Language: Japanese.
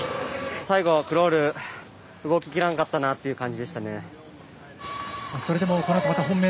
最後クロール動ききらなかったという感じでしたね。